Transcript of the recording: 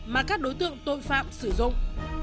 mà các đối tượng tội phạm sử dụng